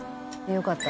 「よかった。